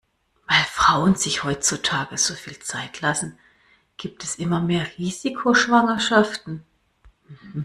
Weil Frauen sich heutzutage so viel Zeit lassen, gibt es immer mehr Risikoschwangerschaften.